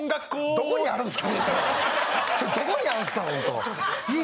どこにあるんすかねえ